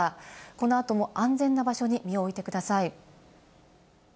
この後も安全な場所に身を置いてください。